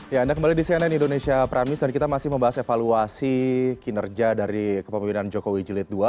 ya anda kembali di cnn indonesia prime news dan kita masih membahas evaluasi kinerja dari kepemimpinan jokowi jilid dua